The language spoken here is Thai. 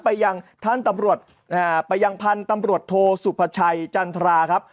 ไปยังท่านตำรวจไปยังพันธุ์ตำรวจโทสุภาชัยจันทราครับ